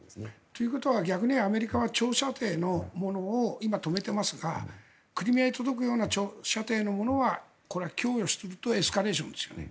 ということはアメリカは逆に長射程のものを今止めていますがクリミアに届くような長射程のものは供与するとエスカレーションですよね。